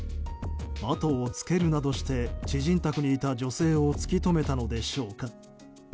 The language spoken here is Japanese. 後をつけるなどして知人宅にいた女性を突き止めたのでしょうか。